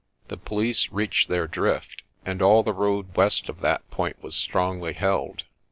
The police reached their drift, and all the road west of that point was strongly held.